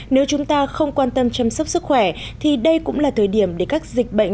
nếu chúng ta không quan tâm chăm sóc sức khỏe thì đây cũng là thời điểm để các dịch bệnh